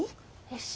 よし。